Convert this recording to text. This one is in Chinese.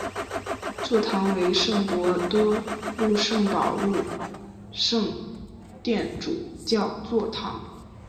座堂为圣伯多禄圣保禄圣殿主教座堂。